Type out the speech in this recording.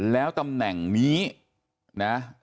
แล้วตำแหน่งนี้นะ